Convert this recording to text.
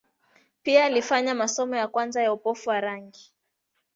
Pia alifanya masomo ya kwanza ya upofu wa rangi.